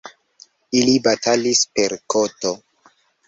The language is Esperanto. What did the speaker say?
Ili batalis per koto.